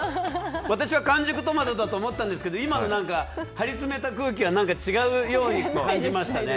私は完熟トマトだと思ったんですけど今の張りつめた空気は何か違うように感じましたね。